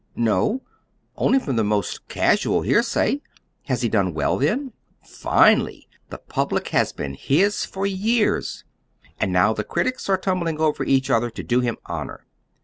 "No; only from the most casual hearsay. Has he done well then?" "Finely! The public has been his for years, and now the critics are tumbling over each other to do him honor.